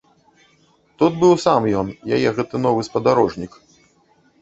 Тут быў сам ён, яе гэты новы спадарожнік.